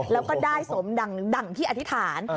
แล้วก็ได้สมดั่งที่อธิษฐาน